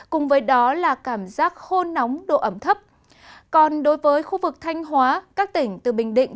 cùng với đó là cảm giác khô nóng độ ẩm thấp còn đối với khu vực thanh hóa các tỉnh từ bình định